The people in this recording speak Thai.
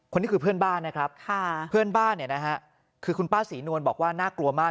คนนี้คือเพื่อนบ้านนะครับคุณป้าศรีนวลบอกว่าน่ากลัวมาก